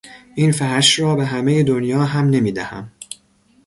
این فرش را به همهی دنیا هم نمیدهم!